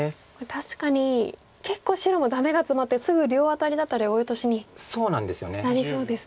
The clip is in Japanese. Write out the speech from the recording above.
確かに結構白もダメがツマってすぐ両アタリだったりオイオトシになりそうですね。